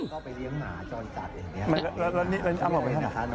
ก็ไปเลี้ยงหาจ้อนจัดเองนะครับแล้วนี่อ้ำเอาไปไหนครับ